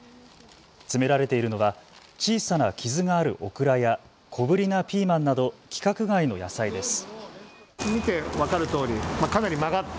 詰められているのは小さな傷があるオクラや小ぶりなピーマンなど規格外の野菜です。